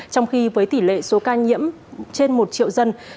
trong khi với tỷ lệ số ca nhiễm trên một triệu dân